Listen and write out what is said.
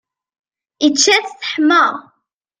Ičča-tt, teḥma.